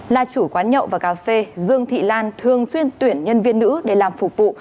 là chủ quán nhậu và cà phê dương thị lan thường xuyên tuyển nhân viên nữ để làm phục vụ